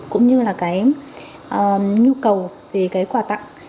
cũng như là nhu cầu về quà tặng